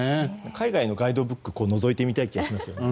海外のガイドブックをのぞいてみたいですよね。